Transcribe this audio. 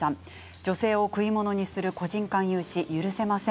女性を食い物にする個人間融資、許せません。